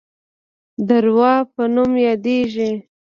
د روه په نوم یادیږي.